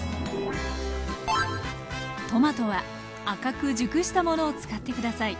トマトは赤く熟したものを使って下さい。